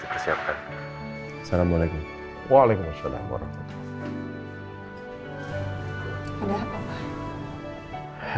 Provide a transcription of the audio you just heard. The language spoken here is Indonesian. dipersiapkan salamualaikum waalaikumsalam warahmatullah